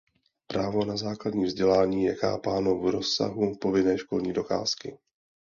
Právo na základní vzdělání je chápáno v rozsahu povinné školní docházky.